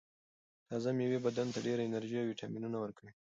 تازه مېوې بدن ته ډېره انرژي او ویټامینونه ورکوي.